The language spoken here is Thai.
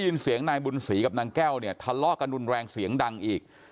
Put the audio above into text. เสียงนายบุญศรีกับนางแก้วเนี่ยทะเลาะกันรุนแรงเสียงดังอีก